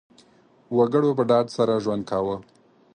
وګړو په ډاډ سره ژوند کاوه.